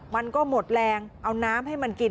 มันก็หมดแรงเอาน้ำให้มันกิน